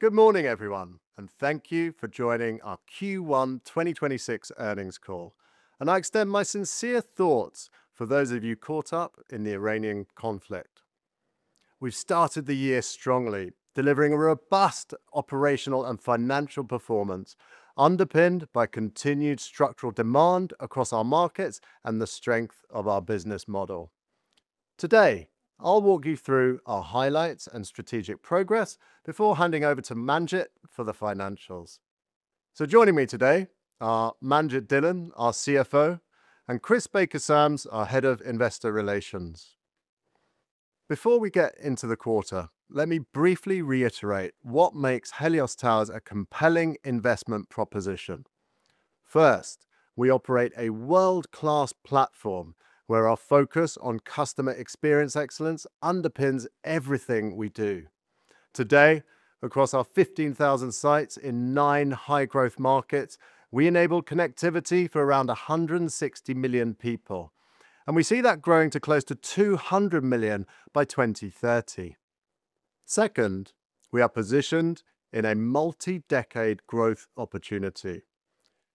Good morning, everyone. Thank you for joining our Q1 2026 earnings call. I extend my sincere thoughts for those of you caught up in the Iranian conflict. We've started the year strongly, delivering a robust operational and financial performance underpinned by continued structural demand across our markets and the strength of our business model. Today, I'll walk you through our highlights and strategic progress before handing over to Manjit for the financials. Joining me today are Manjit Dhillon, our CFO, and Chris Baker-Sams, our Head of Investor Relations. Before we get into the quarter, let me briefly reiterate what makes Helios Towers a compelling investment proposition. First, we operate a world-class platform where our focus on customer experience excellence underpins everything we do. Today, across our 15,000 sites in nine high-growth markets, we enable connectivity for around 160 million people, and we see that growing to close to 200 million by 2030. Second, we are positioned in a multi-decade growth opportunity.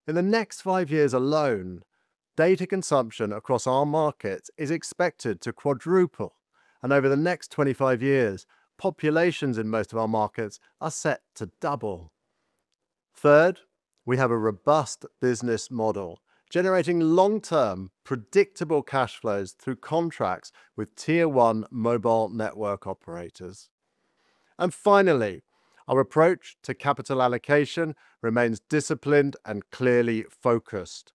In the next five years alone, data consumption across our markets is expected to quadruple, and over the next 25 years, populations in most of our markets are set to double. Third, we have a robust business model generating long-term, predictable cash flows through contracts with Tier 1 mobile network operators. Finally, our approach to capital allocation remains disciplined and clearly focused.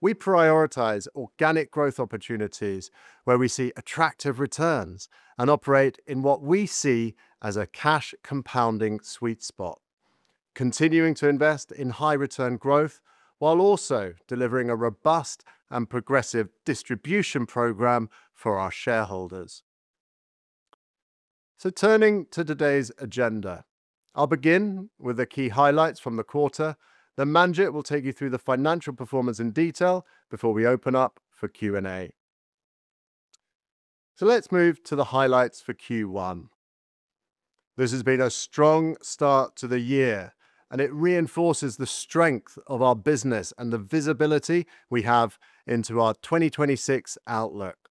We prioritize organic growth opportunities where we see attractive returns and operate in what we see as a cash compounding sweet spot, continuing to invest in high-return growth while also delivering a robust and progressive distribution program for our shareholders. Turning to today's agenda. I'll begin with the key highlights from the quarter, then Manjit will take you through the financial performance in detail before we open up for Q&A. Let's move to the highlights for Q1. This has been a strong start to the year, and it reinforces the strength of our business and the visibility we have into our 2026 outlook.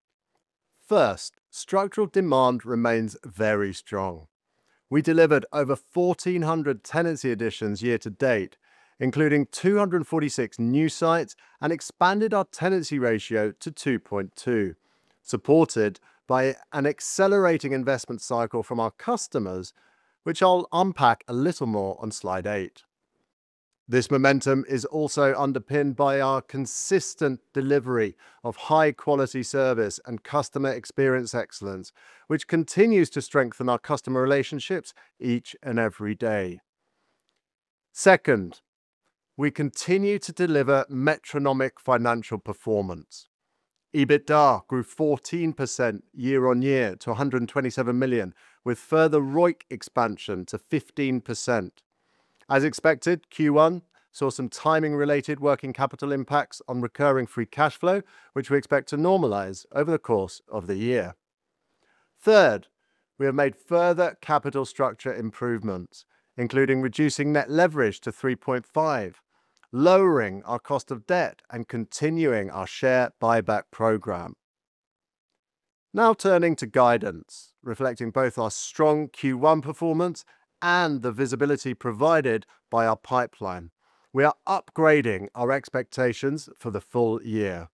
First, structural demand remains very strong. We delivered over 1,400 tenancy additions year to date, including 246 new sites, and expanded our tenancy ratio to 2.2, supported by an accelerating investment cycle from our customers, which I'll unpack a little more on slide eight. This momentum is also underpinned by our consistent delivery of high-quality service and customer experience excellence, which continues to strengthen our customer relationships each and every day. Second, we continue to deliver metronomic financial performance. EBITDA grew 14% year-over-year to $127 million with further ROIC expansion to 15%. As expected, Q1 saw some timing-related working capital impacts on recurring free cash flow, which we expect to normalize over the course of the year. Third, we have made further capital structure improvements, including reducing net leverage to 3.5, lowering our cost of debt, and continuing our share buyback program. Now turning to guidance, reflecting both our strong Q1 performance and the visibility provided by our pipeline. We are upgrading our expectations for the full-year.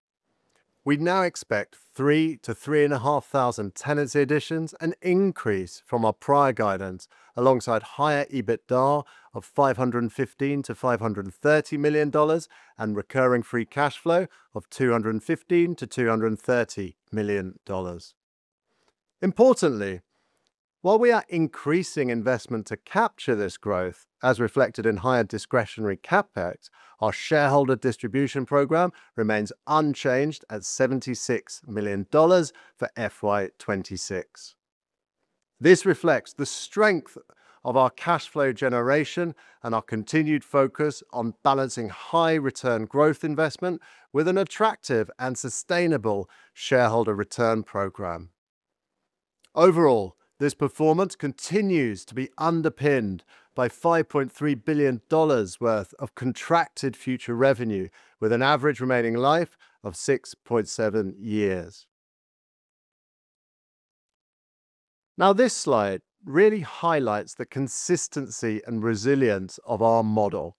We now expect 3,000-3,500 tenancy additions, an increase from our prior guidance alongside higher EBITDA of $515 million-$530 million and recurring free cash flow of $215 million-$230 million. Importantly, while we are increasing investment to capture this growth, as reflected in higher discretionary CapEx, our shareholder distribution program remains unchanged at $76 million for FY 2026. This reflects the strength of our cash flow generation and our continued focus on balancing high-return growth investments with an attractive and sustainable shareholder return program. Overall, this performance continues to be underpinned by $5.3 billion worth of contracted future revenue with an average remaining life of 6.7 years. This slide really highlights the consistency and resilience of our model.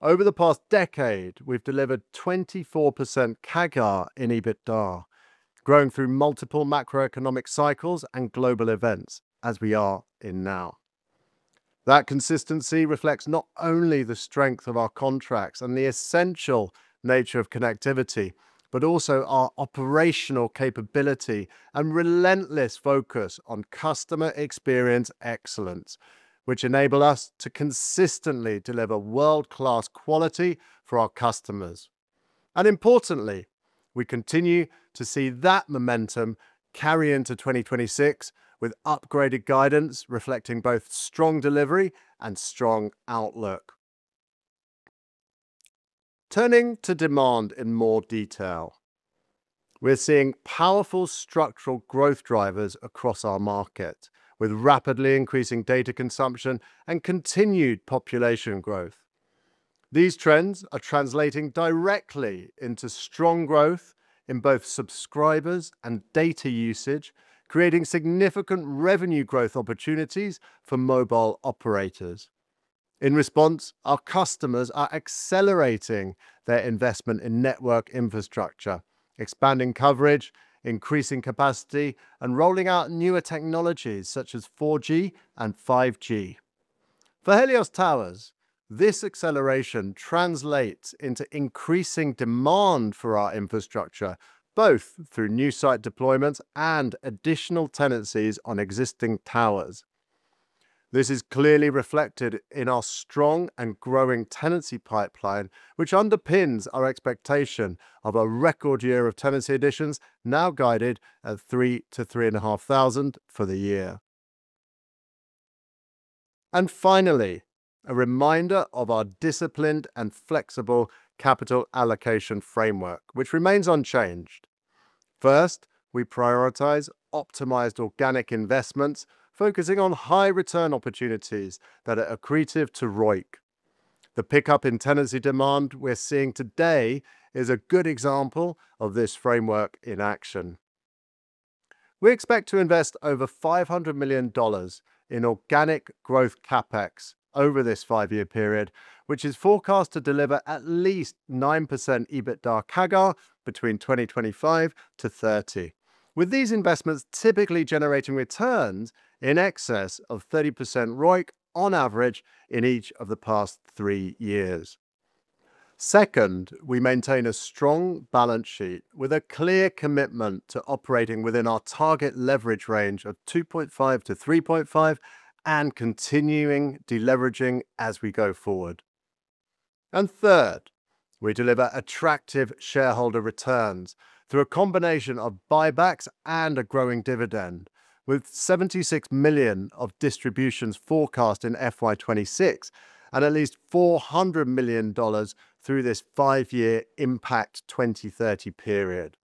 Over the past decade, we've delivered 24% CAGR in EBITDA, growing through multiple macroeconomic cycles and global events as we are in now. That consistency reflects not only the strength of our contracts and the essential nature of connectivity, but also our operational capability and relentless focus on customer experience excellence, which enable us to consistently deliver world-class quality for our customers. Importantly, we continue to see that momentum carry into 2026 with upgraded guidance reflecting both strong delivery and strong outlook. Turning to demand in more detail. We're seeing powerful structural growth drivers across our market, with rapidly increasing data consumption and continued population growth. These trends are translating directly into strong growth in both subscribers and data usage, creating significant revenue growth opportunities for mobile operators. In response, our customers are accelerating their investment in network infrastructure, expanding coverage, increasing capacity, and rolling out newer technologies such as 4G and 5G. For Helios Towers, this acceleration translates into increasing demand for our infrastructure, both through new site deployments and additional tenancies on existing towers. This is clearly reflected in our strong and growing tenancy pipeline, which underpins our expectation of a record year of tenancy additions now guided at 3,000-3,500 for the year. Finally, a reminder of our disciplined and flexible capital allocation framework, which remains unchanged. First, we prioritize optimized organic investments focusing on high-return opportunities that are accretive to ROIC. The pickup in tenancy demand we're seeing today is a good example of this framework in action. We expect to invest over $500 million in organic growth CapEx over this five-year period, which is forecast to deliver at least 9% EBITDA CAGR between 2025-2030. With these investments typically generating returns in excess of 30% ROIC on average in each of the past three years. Second, we maintain a strong balance sheet with a clear commitment to operating within our target leverage range of 2.5-3.5 and continuing deleveraging as we go forward. Third, we deliver attractive shareholder returns through a combination of buybacks and a growing dividend. With $76 million of distributions forecast in FY 2026 and at least $400 million through this five-year Impact 2030 period.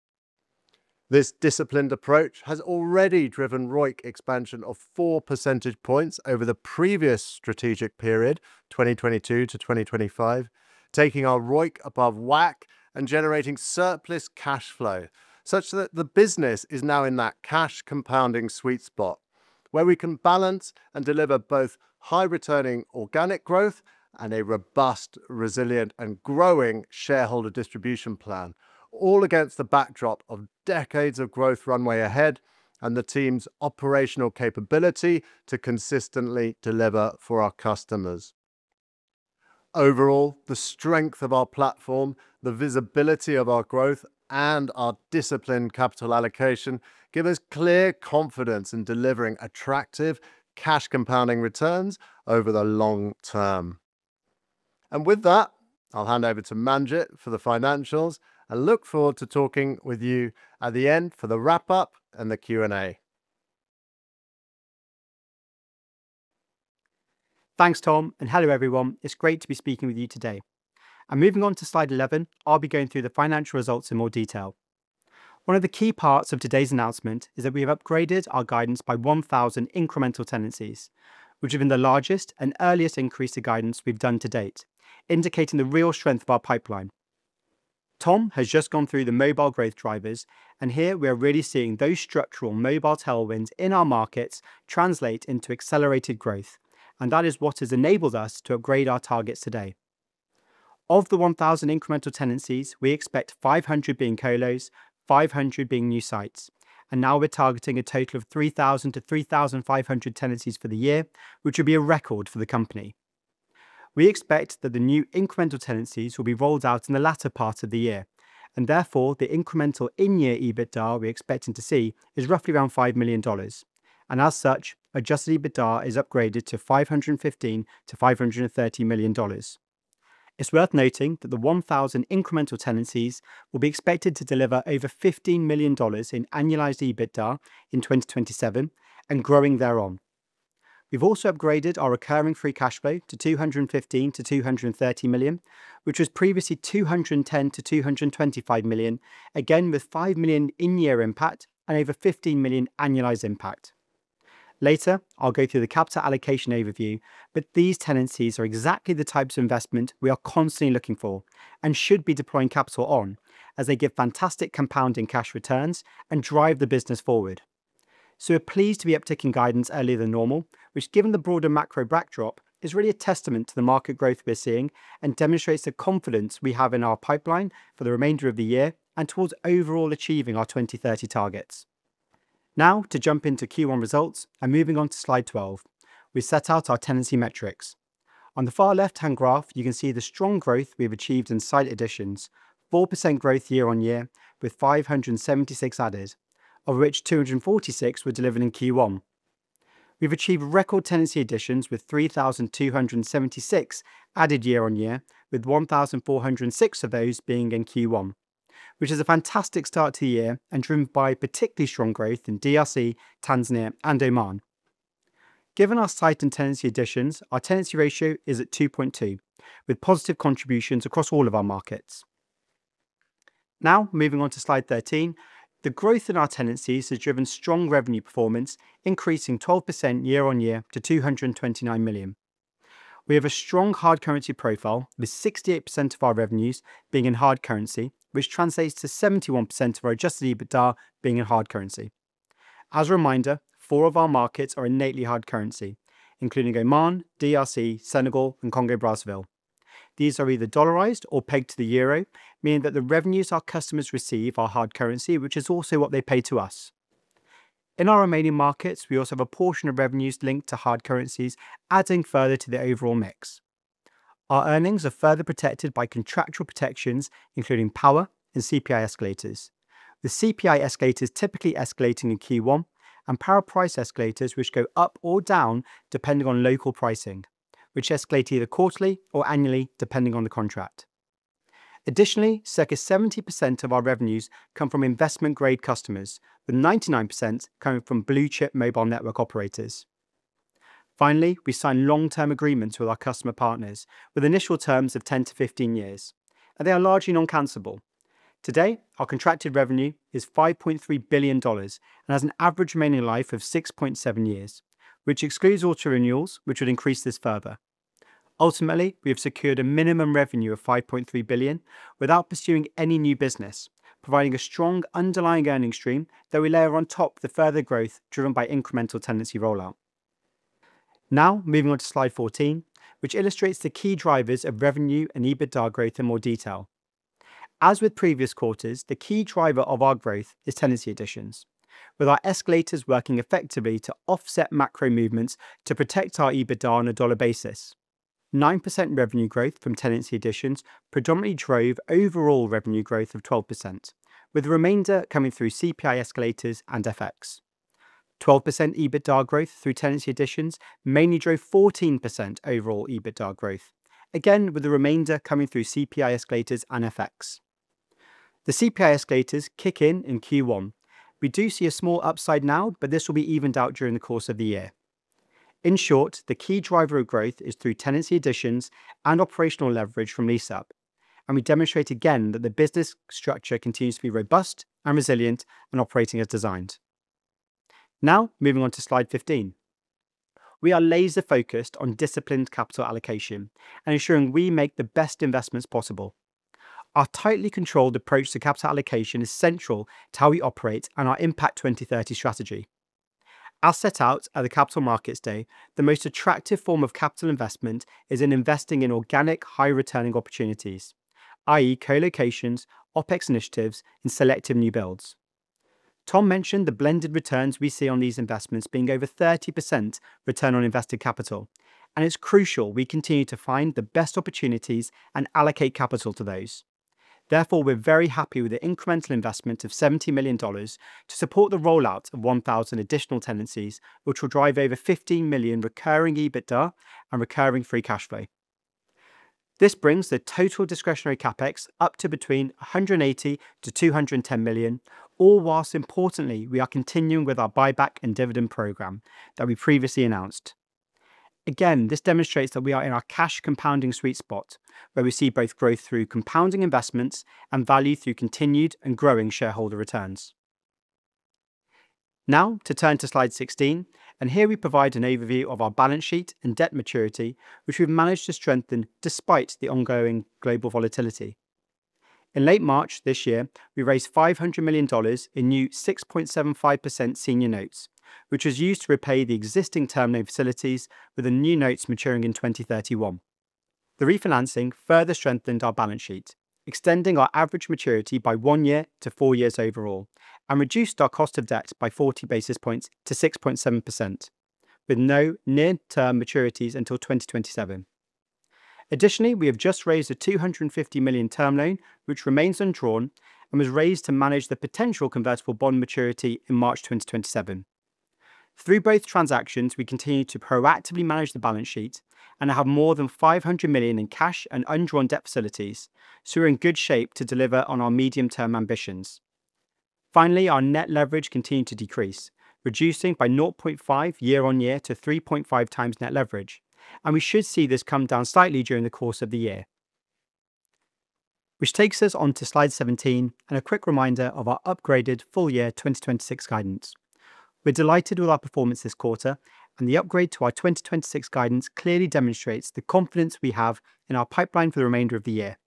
This disciplined approach has already driven ROIC expansion of 4 percentage points over the previous strategic period, 2022 to 2025, taking our ROIC above WACC and generating surplus cash flow such that the business is now in that cash compounding sweet spot where we can balance and deliver both high returning organic growth and a robust, resilient and growing shareholder distribution plan, all against the backdrop of decades of growth runway ahead and the team's operational capability to consistently deliver for our customers. Overall, the strength of our platform, the visibility of our growth, and our disciplined capital allocation give us clear confidence in delivering attractive cash compounding returns over the long term. With that, I'll hand over to Manjit for the financials and look forward to talking with you at the end for the wrap-up and the Q&A. Thanks, Tom, and hello everyone. It's great to be speaking with you today. Moving on to slide 11, I'll be going through the financial results in more detail. One of the key parts of today's announcement is that we have upgraded our guidance by 1,000 incremental tenancies, which have been the largest and earliest increase to guidance we've done to date, indicating the real strength of our pipeline. Tom has just gone through the mobile growth drivers, here we are really seeing those structural mobile tailwinds in our markets translate into accelerated growth, that is what has enabled us to upgrade our targets today. Of the 1,000 incremental tenancies, we expect 500 being colos, 500 being new sites, and now we're targeting a total of 3,000-3,500 tenancies for the year, which would be a record for the company. We expect that the new incremental tenancies will be rolled out in the latter part of the year, and therefore the incremental in-year EBITDA we're expecting to see is roughly around $5 million. As such, Adjusted EBITDA is upgraded to $515 million-$530 million. It's worth noting that the 1,000 incremental tenancies will be expected to deliver over $15 million in annualized EBITDA in 2027 and growing thereon. We've also upgraded our recurring free cash flow to $215 million-$230 million, which was previously $210 million-$225 million, again with $5 million in-year impact and over $15 million annualized impact. Later, I'll go through the capital allocation overview. These tenancies are exactly the types of investment we are constantly looking for and should be deploying capital on, as they give fantastic compounding cash returns and drive the business forward. We're pleased to be upticking guidance earlier than normal, which given the broader macro backdrop, is really a testament to the market growth we're seeing and demonstrates the confidence we have in our pipeline for the remainder of the year and towards overall achieving our 2030 targets. To jump into Q1 results and moving on to slide 12, we set out our tenancy metrics. On the far left-hand graph, you can see the strong growth we have achieved in site additions, 4% growth year-on-year with 576 added, of which 246 were delivered in Q1. We've achieved record tenancy additions with 3,276 added year-on-year, with 1,406 of those being in Q1, which is a fantastic start to the year and driven by particularly strong growth in DRC, Tanzania and Oman. Given our site and tenancy additions, our tenancy ratio is at 2.2, with positive contributions across all of our markets. Moving on to slide 13, the growth in our tenancies has driven strong revenue performance, increasing 12% year-on-year to $229 million. We have a strong hard currency profile with 68% of our revenues being in hard currency, which translates to 71% of our Adjusted EBITDA being in hard currency. As a reminder, four of our markets are innately hard currency, including Oman, DRC, Senegal, and Congo Brazzaville. These are either dollarized or pegged to the euro, meaning that the revenues our customers receive are hard currency, which is also what they pay to us. In our remaining markets, we also have a portion of revenues linked to hard currencies adding further to the overall mix. Our earnings are further protected by contractual protections, including power and CPI escalators. The CPI escalators typically escalating in Q1 and power price escalators which go up or down depending on local pricing, which escalate either quarterly or annually, depending on the contract. Additionally, circa 70% of our revenues come from investment-grade customers, with 99% coming from blue-chip mobile network operators. Finally, we sign long-term agreements with our customer partners with initial terms of 10-15 years, and they are largely non-cancelable. Today, our contracted revenue is $5.3 billion and has an average remaining life of 6.7 years, which excludes auto-renewals, which would increase this further. Ultimately, we have secured a minimum revenue of $5.3 billion without pursuing any new business, providing a strong underlying earnings stream that we layer on top the further growth driven by incremental tenancy rollout. Now moving on to slide 14, which illustrates the key drivers of revenue and EBITDA growth in more detail. As with previous quarters, the key driver of our growth is tenancy additions, with our escalators working effectively to offset macro movements to protect our EBITDA on a basis. 9% revenue growth from tenancy additions predominantly drove overall revenue growth of 12%, with the remainder coming through CPI escalators and FX. 12% EBITDA growth through tenancy additions mainly drove 14% overall EBITDA growth, again with the remainder coming through CPI escalators and FX. The CPI escalators kick in in Q1. We do see a small upside now, but this will be evened out during the course of the year. In short, the key driver of growth is through tenancy additions and operational leverage from lease-up. We demonstrate again that the business structure continues to be robust and resilient, and operating as designed. Moving on to slide 15. We are laser-focused on disciplined capital allocation and ensuring we make the best investments possible. Our tightly controlled approach to capital allocation is central to how we operate and our Impact 2030 strategy. As set out at the Capital Markets Day, the most attractive form of capital investment is in investing in organic, high-returning opportunities, i.e., co-locations, OpEx initiatives, and selective new builds. Tom mentioned the blended returns we see on these investments being over 30% return on invested capital, and it's crucial we continue to find the best opportunities and allocate capital to those. We're very happy with the incremental investment of $70 million to support the rollout of 1,000 additional tenancies, which will drive over $15 million recurring EBITDA and recurring free cash flow. This brings the total discretionary CapEx up to between $180 million and $210 million, all while importantly, we are continuing with our buyback and dividend program that we previously announced. This demonstrates that we are in our cash compounding sweet spot where we see both growth through compounding investments and value through continued and growing shareholder returns. To turn to slide 16, here we provide an overview of our balance sheet and debt maturity, which we've managed to strengthen despite the ongoing global volatility. In late March this year, we raised $500 million in new 6.75% senior notes, which was used to repay the existing term loan facilities with the new notes maturing in 2031. The refinancing further strengthened our balance sheet, extending our average maturity by one year to four years overall, and reduced our cost of debt by 40 basis points to 6.7%, with no near-term maturities until 2027. Additionally, we have just raised a $250 million term loan, which remains undrawn and was raised to manage the potential convertible bond maturity in March 2027. Through both transactions, we continue to proactively manage the balance sheet and have more than $500 million in cash and undrawn debt facilities. We're in good shape to deliver on our medium-term ambitions. Finally, our net leverage continued to decrease, reducing by 0.5 year-on-year to 3.5x net leverage. We should see this come down slightly during the course of the year. Takes us on to slide 17 and a quick reminder of our upgraded full-year 2026 guidance. We're delighted with our performance this quarter, and the upgrade to our 2026 guidance clearly demonstrates the confidence we have in our pipeline for the remainder of the year.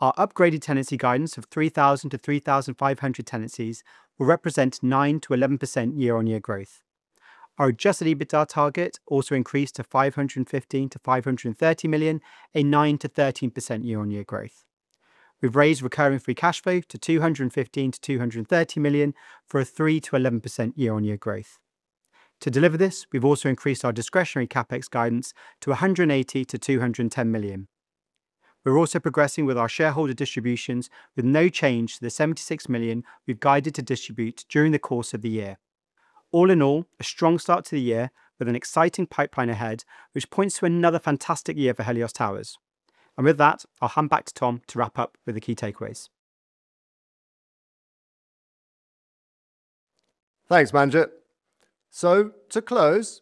Our upgraded tenancy guidance of 3,000-3,500 tenancies will represent 9%-11% year-on-year growth. Our Adjusted EBITDA target also increased to $515 million-$530 million, a 9%-13% year-on-year growth. We've raised recurring free cash flow to $215 million-$230 million for a 3%-11% year-on-year growth. To deliver this, we've also increased our discretionary CapEx guidance to $180 million-$210 million. We're also progressing with our shareholder distributions with no change to the $76 million we've guided to distribute during the course of the year. All in all, a strong start to the year with an exciting pipeline ahead, which points to another fantastic year for Helios Towers. With that, I'll hand back to Tom to wrap up with the key takeaways. Thanks, Manjit. To close,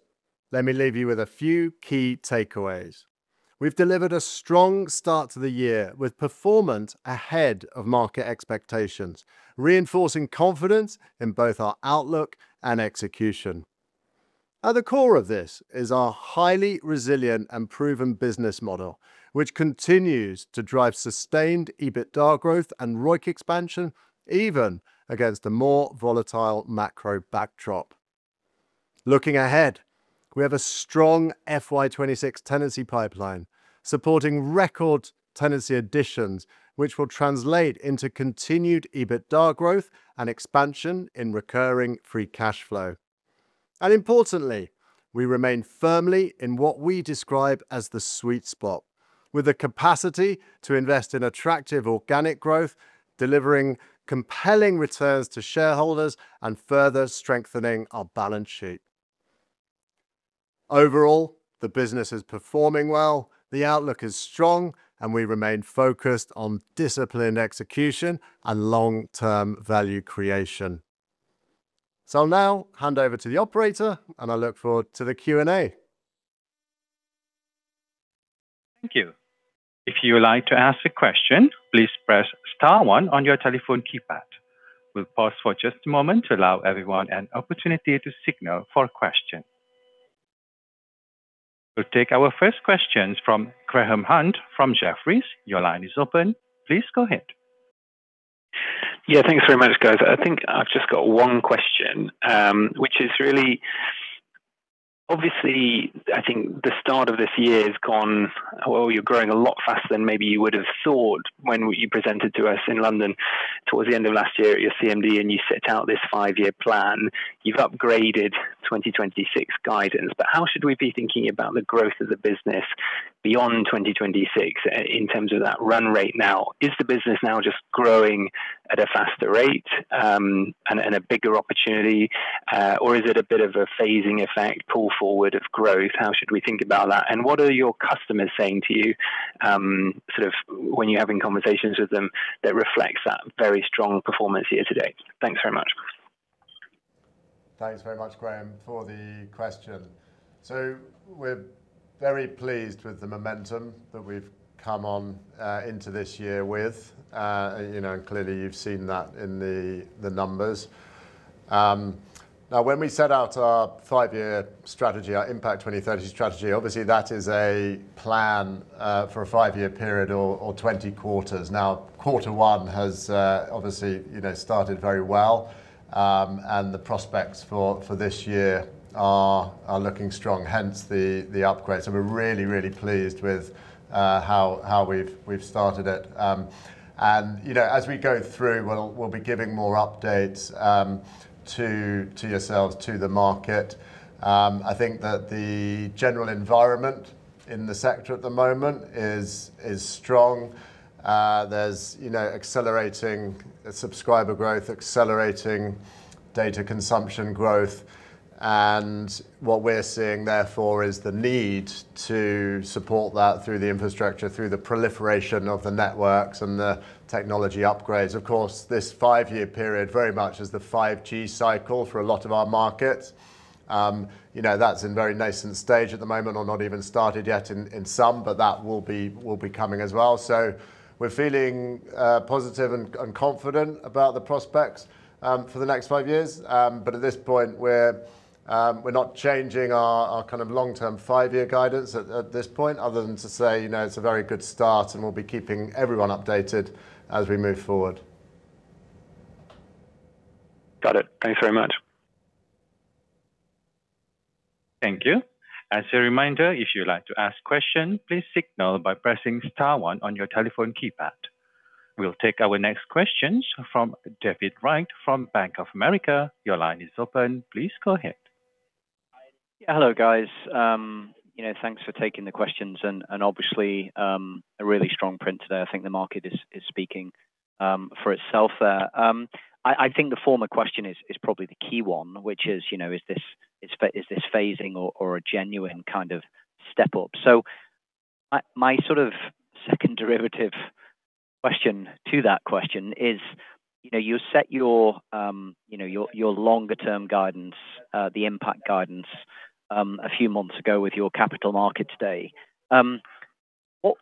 let me leave you with a few key takeaways. We've delivered a strong start to the year with performance ahead of market expectations, reinforcing confidence in both our outlook and execution. At the core of this is our highly resilient and proven business model, which continues to drive sustained EBITDA growth and ROIC expansion even against a more volatile macro backdrop. Looking ahead, we have a strong FY 2026 tenancy pipeline supporting record tenancy additions, which will translate into continued EBITDA growth and expansion in recurring free cash flow. Importantly, we remain firmly in what we describe as the sweet spot, with the capacity to invest in attractive organic growth, delivering compelling returns to shareholders and further strengthening our balance sheet. Overall, the business is performing well, the outlook is strong, and we remain focused on disciplined execution and long-term value creation. I'll now hand over to the operator, and I look forward to the Q&A. Thank you. If you would like to ask a question, please press star one on your telephone keypad. We'll pause for just a moment to allow everyone an opportunity to signal for a question. We'll take our first questions from Graham Hunt from Jefferies. Your line is open. Please go ahead. Yeah, thanks very much, guys. I think I've just got one question, which is really obviously I think the start of this year has gone well. You're growing a lot faster than maybe you would have thought when you presented to us in London towards the end of last year at your CMD, and you set out this five-year plan. You've upgraded 2026 guidance. How should we be thinking about the growth of the business beyond 2026 in terms of that run rate now? Is the business now just growing at a faster rate, and a bigger opportunity? Or is it a bit of a phasing effect, pull forward of growth? How should we think about that? What are your customers saying to you, sort of when you're having conversations with them that reflects that very strong performance year-to-date? Thanks very much. Thanks very much, Graham, for the question. We're very pleased with the momentum that we've come on into this year with, you know, and clearly you've seen that in the numbers. Now, when we set out our five-year strategy, our Impact 2030 strategy, obviously, that is a plan for a five-year period or 20 quarters. Now quarter one has, obviously, you know, started very well. The prospects for this year are looking strong, hence the upgrade. We're really pleased with how we've started it. You know, as we go through, we'll be giving more updates to yourselves, to the market. I think that the general environment in the sector at the moment is strong. There's, you know, accelerating subscriber growth, accelerating data consumption growth. What we're seeing, therefore is the need to support that through the infrastructure, through the proliferation of the networks and the technology upgrades. Of course, this five-year period very much is the 5G cycle for a lot of our markets. You know, that's in very nascent stage at the moment or not even started yet in some, but that will be coming as well. We're feeling positive and confident about the prospects for the next five years. At this point, we're not changing our kind of long-term five-year guidance at this point other than to say, you know, it's a very good start, and we'll be keeping everyone updated as we move forward. Got it. Thanks very much. Thank you. As a reminder, if you'd like to ask question, please signal by pressing star one on your telephone keypad. We'll take our next questions from David Wright from Bank of America. Your line is open. Please go ahead. Hello, guys. You know, thanks for taking the questions, and obviously, a really strong print today. I think the market is speaking for itself. I think the former question is probably the key one, which is, you know, is this phasing or a genuine kind of step up? My sort of second derivative question to that question is, you know, you set your, you know, your longer-term guidance, the Impact 2030 guidance, a few months ago with your Capital Markets Day.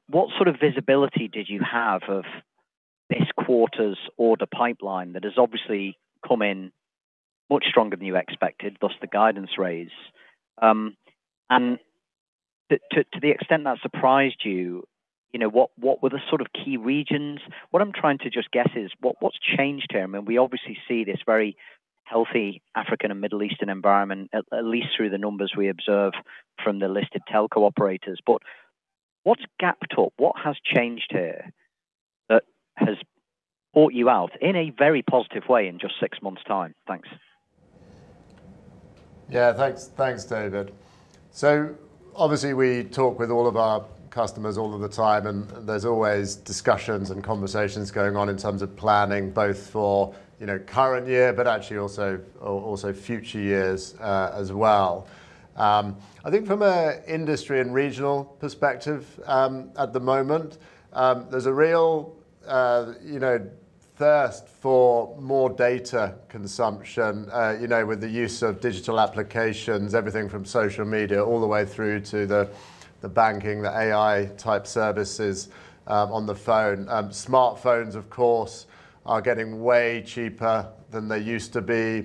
What sort of visibility did you have of this quarter's order pipeline that has obviously come in much stronger than you expected, thus the guidance raise? To the extent that surprised you know, what were the sort of key regions? What I'm trying to just guess is what's changed here? I mean, we obviously see this very healthy African and Middle Eastern environment, at least through the numbers we observe from the listed telco operators. What's gapped up? What has changed here that has brought you out in a very positive way in just six months' time? Thanks. Thanks. Thanks, David. Obviously, we talk with all of our customers all of the time, there's always discussions and conversations going on in terms of planning both for, you know, current year, but actually also future years as well. I think from an industry and regional perspective, at the moment, there's a real, you know, thirst for more data consumption, you know, with the use of digital applications, everything from social media all the way through to the banking, the AI-type services on the phone. Smartphones, of course, are getting way cheaper than they used to be.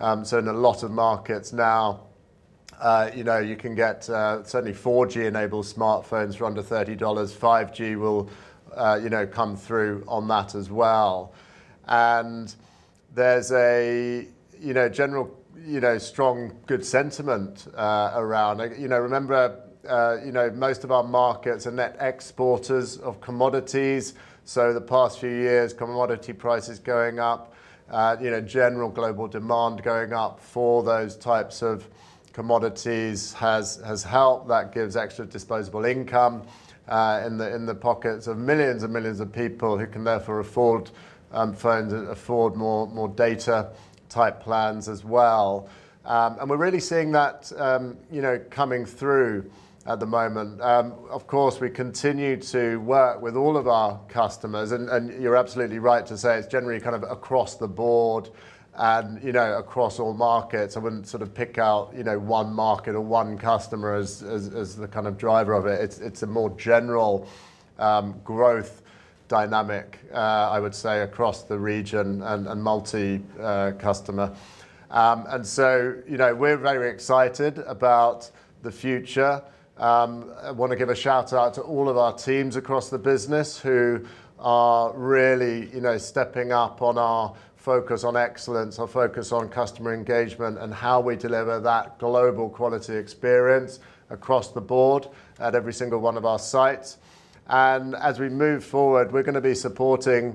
In a lot of markets now, you know, you can get, certainly, 4G-enabled smartphones for under $30. 5G will, you know, come through on that as well. There's a, you know, general, you know, strong, good sentiment around. You know, remember, you know, most of our markets are net exporters of commodities, so the past few years, commodity prices going up, you know, general global demand going up for those types of commodities has helped. That gives extra disposable income in the pockets of millions and millions of people who can therefore afford phones and afford more, more data-type plans as well. We're really seeing that, you know, coming through at the moment. Of course, we continue to work with all of our customers, and you're absolutely right to say it's generally kind of across the board and, you know, across all markets. I wouldn't sort of pick out, you know, one market or one customer as the kind of driver of it. It's a more general growth dynamic, I would say, across the region and customer. You know, we're very excited about the future. I wanna give a shout-out to all of our teams across the business who are really, you know, stepping up on our focus on excellence, our focus on customer engagement, and how we deliver that global quality experience across the board at every single one of our sites. As we move forward, we're gonna be supporting,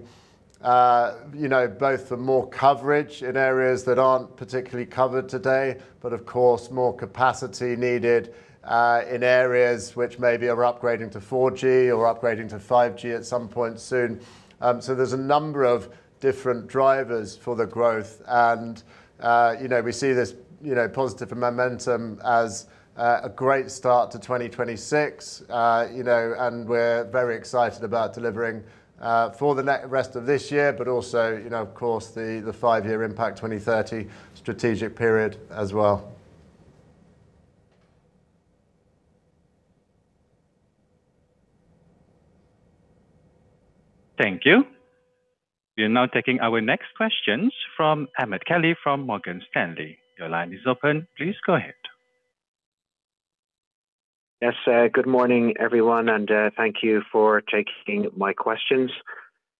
you know, both the more coverage in areas that aren't particularly covered today, but of course, more capacity needed in areas which maybe are upgrading to 4G or upgrading to 5G at some point soon. There's a number of different drivers for the growth and, you know, we see this, you know, positive momentum as a great start to 2026. We're very excited about delivering for the rest of this year but also, you know, of course the five-year Impact 2030 strategic period as well. Thank you. We are now taking our next questions from Emmet Kelly from Morgan Stanley. Your line is open. Please go ahead. Yes. Good morning, everyone, thank you for taking my questions.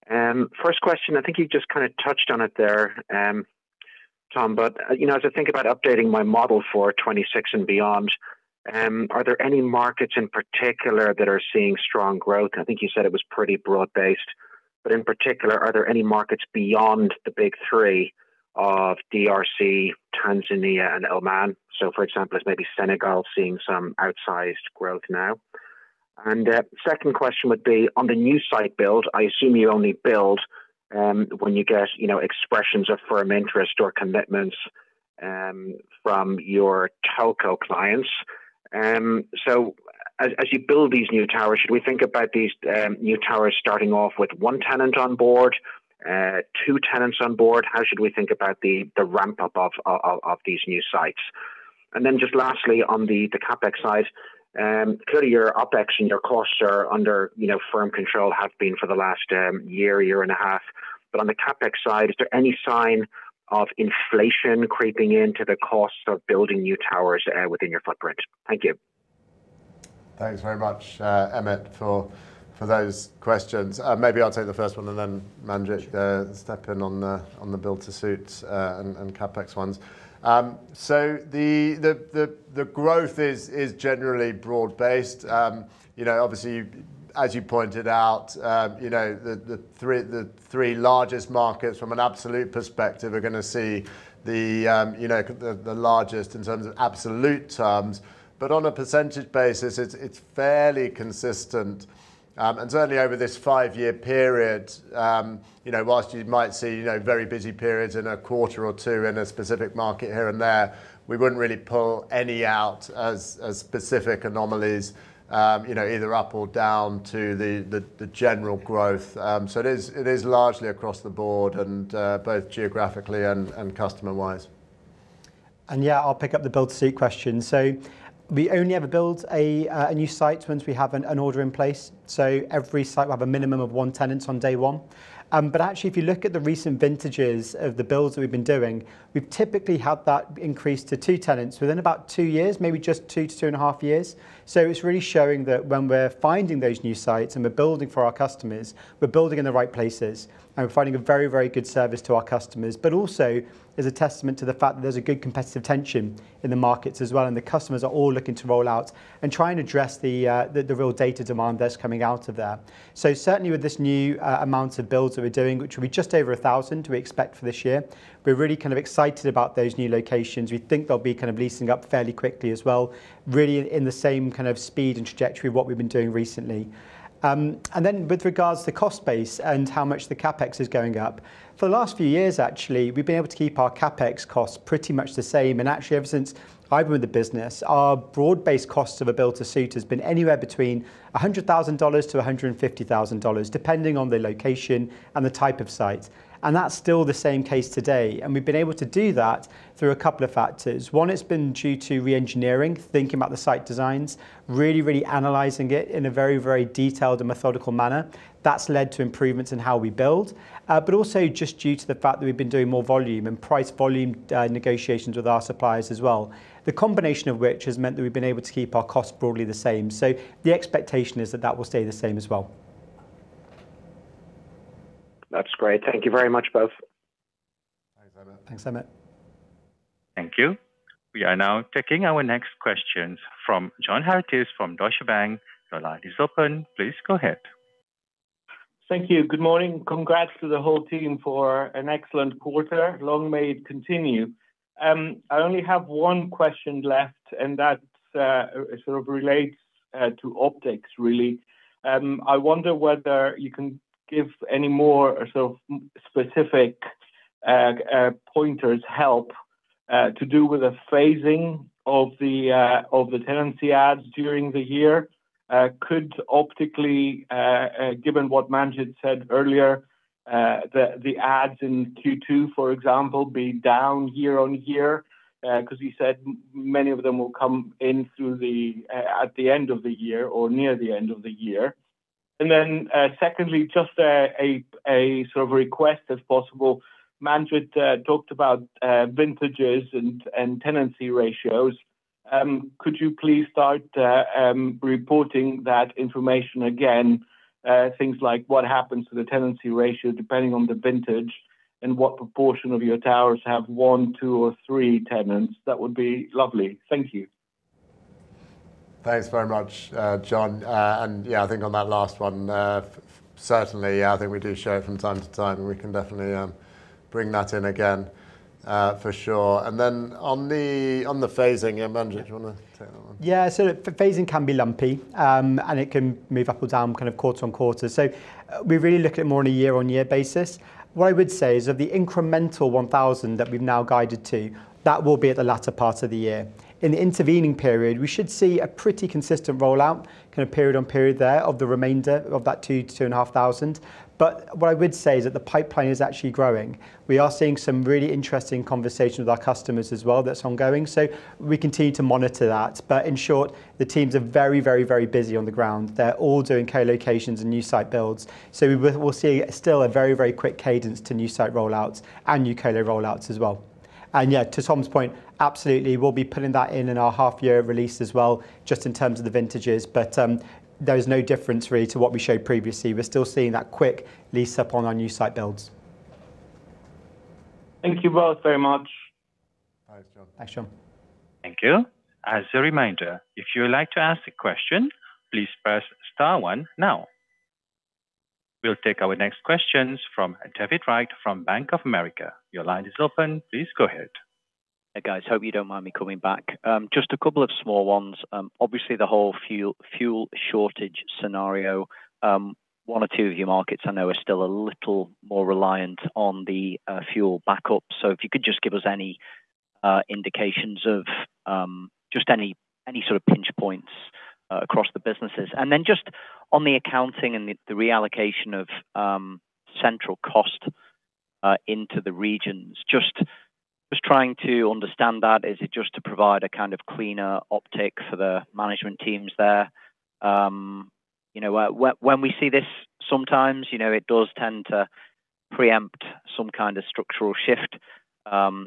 First question, I think you just kind of touched on it there, Tom, you know, as I think about updating my model for FY 2026 and beyond, are there any markets in particular that are seeing strong growth? I think you said it was pretty broad-based. In particular, are there any markets beyond the big three of DRC, Tanzania, and Oman? For example, is maybe Senegal seeing some outsized growth now? Second question would be on the new site build, I assume you only build when you get, you know, expressions of firm interest or commitments from your telco clients. As you build these new towers, should we think about these new towers starting off with one tenant on board? Two tenants on board? How should we think about the ramp-up of these new sites? Just lastly, on the CapEx side, clearly your OpEx and your costs are under, you know, firm control, have been for the last year and a half. On the CapEx side, is there any sign of inflation creeping into the cost of building new towers within your footprint? Thank you. Thanks very much, Emmet, for those questions. Maybe I'll take the first one, and then Manjit steps in on the build-to-suit and CapEx ones. So, the growth is generally broad-based. You know, obviously, as you pointed out, you know, the three, the three largest markets from an absolute perspective are gonna see the, you know, the largest in terms of absolute terms. On a percentage basis, it's fairly consistent. And certainly, over this five-year period, you know, whilst you might see, you know, very busy periods in a quarter or 2 in a specific market here and there, we wouldn't really pull any out as specific anomalies, you know, either up or down to the general growth. It is largely across the board and both geographically and customer-wise. Yeah, I'll pick up the build-to-suit question. We only ever build a new site once we have an order in place, so every site will have a minimum of one tenant on day one. Actually if you look at the recent vintages of the builds that we've been doing, we've typically had that increase to two tenants within about two years, maybe just two and a half years. It's really showing that when we're finding those new sites and we're building for our customers, we're building in the right places and we're providing a very, very good service to our customers. Also, there's a testament to the fact that there's a good competitive tension in the markets as well, and the customers are all looking to roll out and try and address the real data demand that's coming out of there. Certainly, with this new amount of builds that we're doing, which will be just over 1,000 we expect for this year, we're really kind of excited about those new locations. We think they'll be kind of leasing up fairly quickly as well, really in the same kind of speed and trajectory of what we've been doing recently. With regards to cost base and how much the CapEx is going up, for the last few years, actually, we've been able to keep our CapEx costs pretty much the same. Actually, ever since I've been with the business, our broad-based cost of a build-to-suit has been anywhere between $100,000 to $150,000, depending on the location and the type of site, and that's still the same case today. We've been able to do that through a couple of factors. One, it's been due to re-engineering, thinking about the site designs, really analyzing it in a very detailed and methodical manner. That's led to improvements in how we build. Also, just due to the fact that we've been doing more volume and price volume negotiations with our suppliers as well. The combination of which has meant that we've been able to keep our costs broadly the same. The expectation is that that will stay the same as well. Great. Thank you very much, both Thanks, Emmet. Thanks, Emmet. Thank you. We are now taking our next questions from John Karidis from Deutsche Bank. Your line is open. Please go ahead. Thank you. Good morning. Congrats to the whole team for an excellent quarter. Long may it continue. I only have one question left, and that's sort of relates to optics really. I wonder whether you can give any more sort of specific pointers, help to do with the phasing of the tenancy ads during the year. Could optically, given what Manjit said earlier, the ads in Q2, for example, be down year-on-year, 'cause you said many of them will come in through at the end of the year or near the end of the year. Secondly, just a sort of request if possible. Manjit talked about vintages and tenancy ratios. Could you please start reporting that information again, things like what happens to the tenancy ratio depending on the vintage and what proportion of your towers have one, two, or three tenants? That would be lovely. Thank you. Thanks very much, John. Yeah, I think on that last one, certainly, I think we do show it from time to time, and we can definitely bring that in again for sure. On the, on the phasing, yeah, Manjit, do you wanna take that one? Yeah. Phasing can be lumpy, and it can move up or down, kind of quarter-on-quarter. We really look at it more on a year-on-year basis. What I would say is of the incremental 1,000 that we've now guided to, that will be at the latter part of the year. In the intervening period, we should see a pretty consistent rollout, kind of period-on-period there, of the remainder of that 2,000-2,500. What I would say is that the pipeline is actually growing. We are seeing some really interesting conversations with our customers as well that's ongoing, so we continue to monitor that. In short, the teams are very, very, very busy on the ground. They're all doing co-locations and new site builds. We'll see still a very, very quick cadence to new site rollouts and new co-lo rollouts as well. Yeah, to Tom's point, absolutely, we'll be pulling that in in our half-year release as well, just in terms of the vintages. There is no difference really to what we showed previously. We're still seeing that quick lease-up on our new site builds. Thank you both very much. Thanks, John. Thanks, John. Thank you. As a reminder, if you would like to ask a question, please press star one now. We'll take our next questions from David Wright from Bank of America. Your line is open. Please go ahead. Hey, guys. Hope you don't mind me coming back. Just a couple of small ones. Obviously, the whole fuel shortage scenario, one or two of your markets, I know are still a little more reliant on the fuel backup. If you could just give us any indications of just any sort of pinch points across the businesses. Just on the accounting and the reallocation of central cost into the regions. Just trying to understand that. Is it just to provide a kind of cleaner optic for the management teams there? You know, when we see this sometimes, you know, it does tend to preempt some kind of structural shift.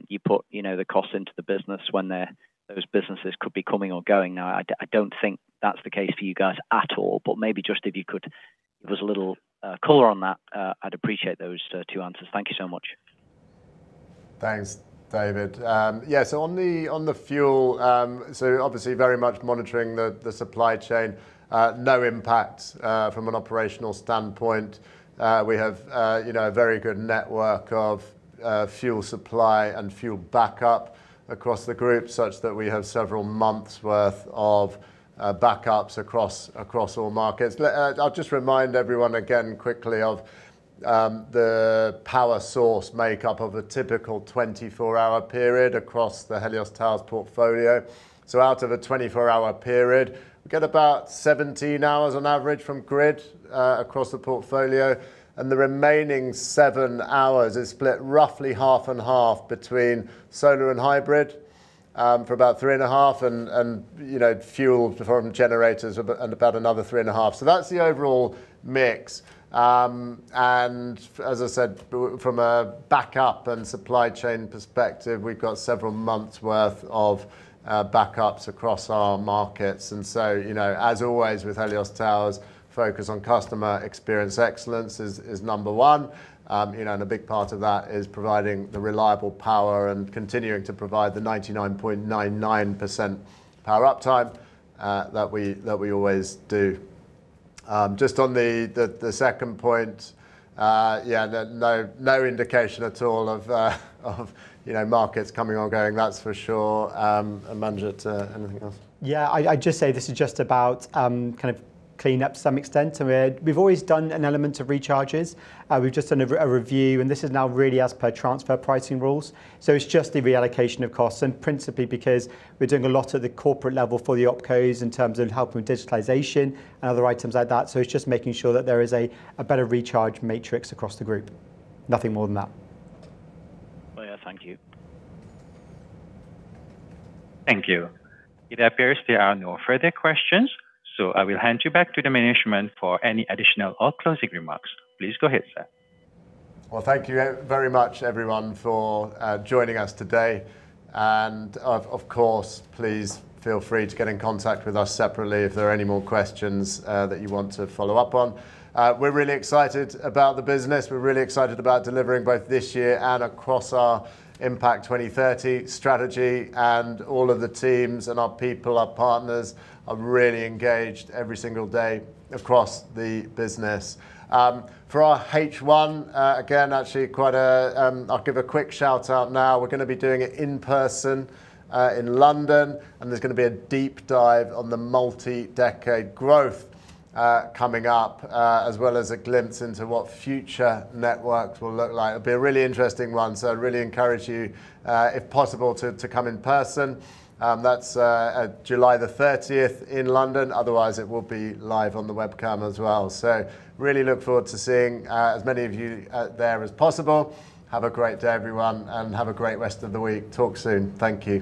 You put, you know, the costs into the business when those businesses could be coming or going. I don't think that's the case for you guys at all, maybe just if you could give us a little color on that, I'd appreciate those two answers. Thank you so much. Thanks, David. On the fuel, obviously very much monitoring the supply chain. No impact from an operational standpoint. We have, you know, a very good network of fuel supply and fuel backup across the group, such that we have several months' worth of backups across all markets. I'll just remind everyone again quickly of the power source makeup of a typical 24-hour period across the Helios Towers portfolio. Out of a 24-hour period, we get about 17 hours on average from grid across the portfolio, and the remaining seven hours is split roughly half and half between solar and hybrid for about three and half and, you know, fuel to form generators and about another three and half. That's the overall mix. As I said, from a backup and supply chain perspective, we've got several months' worth of backups across our markets. You know, as always with Helios Towers, focus on customer experience excellence is number one. You know, a big part of that is providing the reliable power and continuing to provide the 99.99% power uptime that we always do. Just on the second point, yeah, no indication at all of, you know, markets coming or going. That's for sure. Manjit, anything else? Yeah. I just say this is just about kind of cleanup to some extent. We've always done an element of recharges. We've just done a review, this is now really as per transfer pricing rules. It's just the reallocation of costs, principally because we're doing a lot at the corporate level for the OpCos in terms of helping with digitalization and other items like that. It's just making sure that there is a better recharge matrix across the group. Nothing more than that. Oh, yeah. Thank you. Thank you. It appears there are no further questions. I will hand you back to the management for any additional or closing remarks. Please go ahead, sir. Well, thank you very much, everyone, for joining us today. Of course, please feel free to get in contact with us separately if there are any more questions that you want to follow up on. We're really excited about the business. We're really excited about delivering both this year and across our Impact 2030 strategy. All of the teams and our people, our partners, are really engaged every single day across the business. For our H1, again, actually quite, I'll give a quick shout-out now. We're gonna be doing it in person in London, and there's gonna be a deep dive on the multi-decade growth coming up as well as a glimpse into what future networks will look like. It'll be a really interesting one, so I'd really encourage you, if possible, to come in person. That's July the 30th in London. Otherwise, it will be live on the webcast as well. Really look forward to seeing as many of you there as possible. Have a great day, everyone, and have a great rest of the week. Talk soon. Thank you